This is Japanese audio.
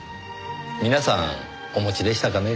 皆さんお持ちでしたかね？